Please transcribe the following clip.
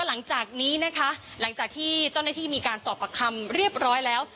หลังจากนี้นะคะหลังจากที่เจ้าหน้าที่มีการสอบประคำเรียบร้อยแล้ว